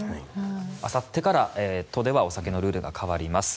あさってから都ではお酒のルールが変わります。